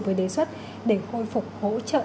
với đề xuất để khôi phục hỗ trợ